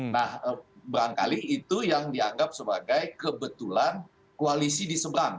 nah barangkali itu yang dianggap sebagai kebetulan koalisi diseberang